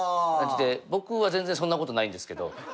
僕は全然そんなことないんですけど。